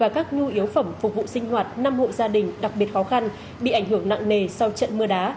các nhu yếu phẩm phục vụ sinh hoạt năm hộ gia đình đặc biệt khó khăn bị ảnh hưởng nặng nề sau trận mưa đá